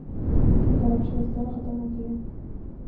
کیا کرپشن اس طرح ختم ہوتی ہے؟